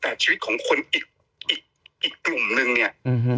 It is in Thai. แต่ชีวิตของคนอีกอีกกลุ่มนึงเนี่ย